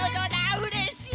うれしい！